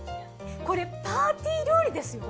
これパーティー料理ですよ。